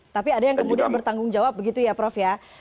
tapi ada yang kemudian bertanggung jawab begitu ya prof ya